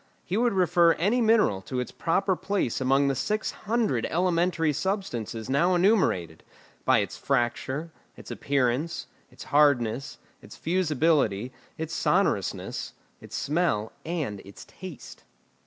He would refer any mineral to its proper place among the six hundred elementary substances now enumerated, by its fracture, its appearance, its hardness, its fusibility, its sonorousness, its smell, and its taste.